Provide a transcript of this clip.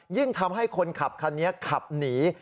ยิ่งทำให้คนขับคันนี้ขับหนี